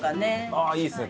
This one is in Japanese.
ああいいですね。